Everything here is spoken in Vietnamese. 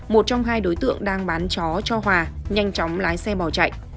một trong hai đối tượng đang bán chó cho hòa nhanh chóng lái xe bỏ chạy